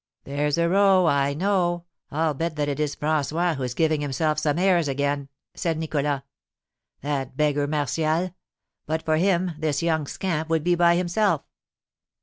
"There's a row, I know; I'll bet that it is François, who's giving himself some airs again," said Nicholas. "That beggar Martial! But for him, this young scamp would be by himself.